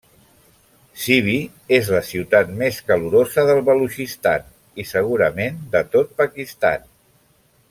Sibi és la ciutat més calorosa del Balutxistan i segurament de tot Pakistan.